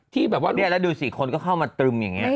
ที่แบบว่าเนี่ยแล้วดูสิคนก็เข้ามาตรึมอย่างนี้